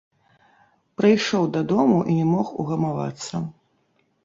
Прыйшоў дадому і не мог угамавацца.